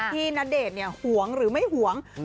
ณเดชน์หวงหรือไม่ห่วง